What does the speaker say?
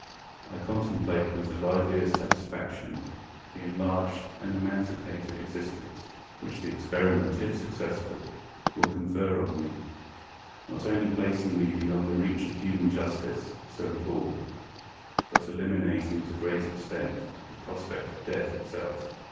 I contemplate with the liveliest satisfaction the enlarged and emancipated existence which the experiment, if successful, will confer on me; not only placing me beyond the reach of human justice (so called), but eliminating to a great extent the prospect of death itself.